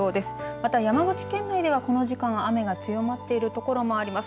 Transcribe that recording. また山口県内ではこの時間雨が強まっているところもあります。